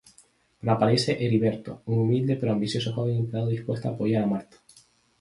Pero aparece Heriberto, un humilde, pero ambicioso joven empleado dispuesto a apoyar a Marta.